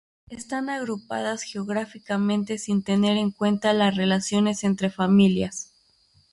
Están agrupadas geográficamente sin tener en cuenta las relaciones entre familias.